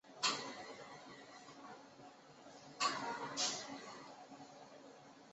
中华巨咽吸虫为同盘科巨咽属的动物。